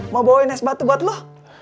mau bawain es batu buat lo